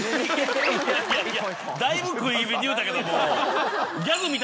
いやいやいやだいぶ食い気味に言うたけども。